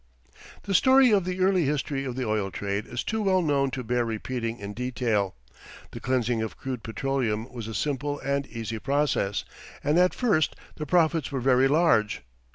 The story of the early history of the oil trade is too well known to bear repeating in detail. The cleansing of crude petroleum was a simple and easy process, and at first the profits were very large.